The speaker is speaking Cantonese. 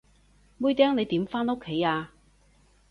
妹釘，你點返屋企啊？